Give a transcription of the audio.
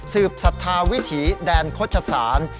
สืบศรัทธาวิถีแดนพจศาล